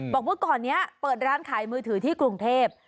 บอกว่าก่อนนี้เปิดร้านขายมือถือที่กรุงเทพ